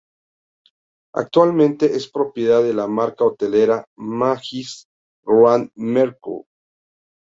Actualmente es propiedad de la marca hotelera Majlis Grand Mercure.